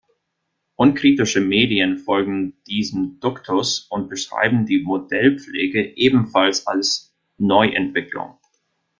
Unkritische Medien folgen diesem Duktus und beschreiben die Modellpflege ebenfalls als Neuentwicklung.